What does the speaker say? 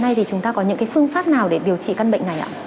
hiện nay thì chúng ta có những phương pháp nào để điều trị căn bệnh này ạ